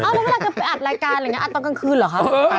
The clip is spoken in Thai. แล้วเวลาจะไปอัดรายการอะไรอย่างนี้อัดตอนกลางคืนเหรอคะ